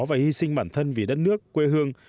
và hy sinh bản thân vì đất nước quê hương